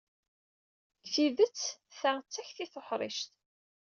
Deg tidet, ta d takti tuḥṛict.